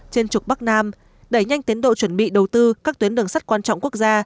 trên trục bắc nam đẩy nhanh tiến độ chuẩn bị đầu tư các tuyến đường sắt quan trọng quốc gia